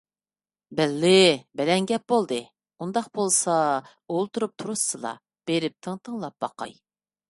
بەللى! بەلەن گەپ بولدى! ئۇنداق بولسا ئولتۇرۇپ تۇرۇشسىلا، بېرىپ تىڭ تىڭلاپ باقاي.